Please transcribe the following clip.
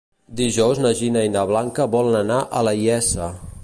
Dijous na Gina i na Blanca volen anar a la Iessa.